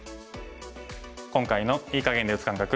今回の“いい”かげんで打つ感覚